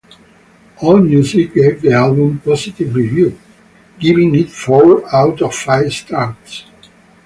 AllMusic gave the album positive review, giving it four out of five stars.